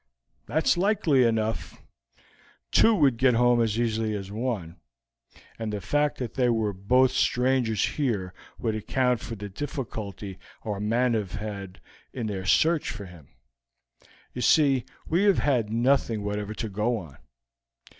"That is likely enough. Two would get home as easily as one, and the fact that they were both strangers here would account for the difficulty our men have had in their search for him. You see, we have had nothing whatever to go on.